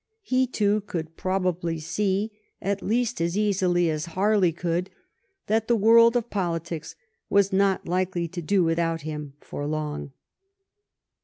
He, too, could probably see, at least as easily as Harley could, that the world of politics was not likely to do without him for long.